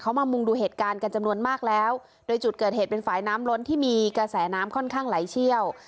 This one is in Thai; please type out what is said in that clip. เขามามุงดูเหตุการณ์กันจำนวนมากแล้วโดยจุดเกิดเหตุเป็นฝ่ายน้ำล้นที่มีกระแสน้ำค่อนข้างไหลเชี่ยว